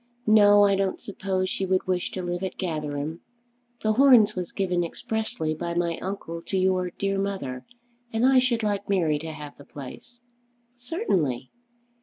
"No, I don't suppose she would wish to live at Gatherum. The Horns was given expressly by my uncle to your dear mother, and I should like Mary to have the place." "Certainly."